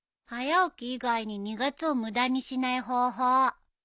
早起き以外に２月を無駄にしない方法。